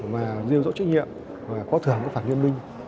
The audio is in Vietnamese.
mà rêu rõ trách nhiệm và có thưởng các phản ứng minh